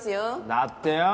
だってよ。